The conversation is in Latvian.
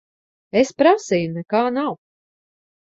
Es prasīju. Nekā nav.